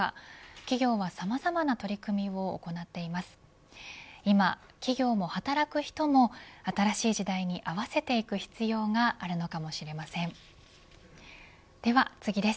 企業はさまざまな取り組みを行っています。